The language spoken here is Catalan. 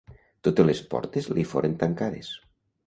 Totes les portes li foren tancades.